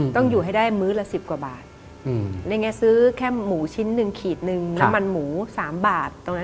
ต้องอยู่ให้ได้มื้อละ๑๐กว่าบาทนี่ไงซื้อแค่หมูชิ้นหนึ่งขีดหนึ่งน้ำมันหมู๓บาทตรงนั้น